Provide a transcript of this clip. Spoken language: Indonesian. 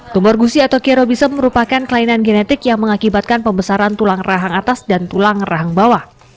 tumor gusi atau kerobisem merupakan kelainan genetik yang mengakibatkan pembesaran tulang rahang atas dan tulang rahang bawah